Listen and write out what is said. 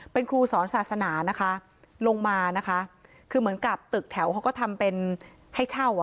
เป็นครูสอนศาสนานะคะลงมานะคะคือเหมือนกับตึกแถวเขาก็ทำเป็นให้เช่าอ่ะ